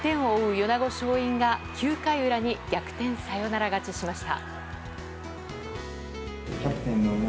米子松蔭が９回裏に逆転サヨナラ勝ちしました。